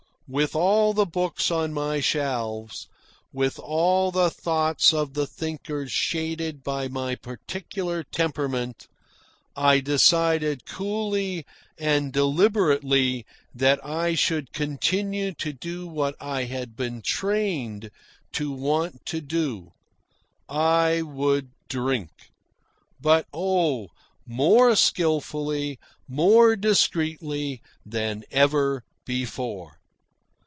With all the books on my shelves, with all the thoughts of the thinkers shaded by my particular temperament, I decided coolly and deliberately that I should continue to do what I had been trained to want to do. I would drink but oh, more skilfully, more discreetly, than ever before.